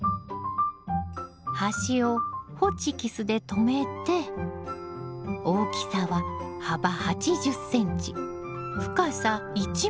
端をホチキスで留めて大きさは幅８０ｃｍ深さ１ｍ。